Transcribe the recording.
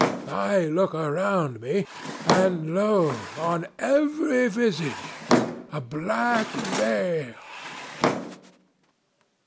I look around me, and, lo! on every visage a black veil!"